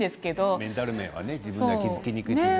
メンタル面は自分が気付きにくいですよね。